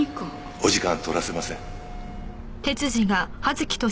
お時間取らせません。